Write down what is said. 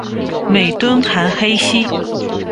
每吨含黑锡。